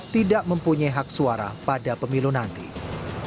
tidak memiliki kartu tanda penduduk elektronik